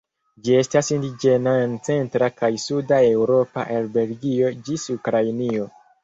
Ĝi estas indiĝena en centra kaj suda Eŭropo el Belgio ĝis Ukrainio.